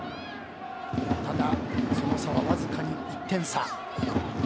ただ、その差はわずかに１点差。